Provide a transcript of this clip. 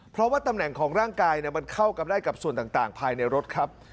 เพราะว่าตำแหน่งของร่างกายมันเข้ากันได้กับส่วนต่างภายในรถครับ